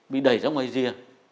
bị đẩy ra ngoài rìa